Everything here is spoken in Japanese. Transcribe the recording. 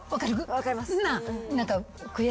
分かります。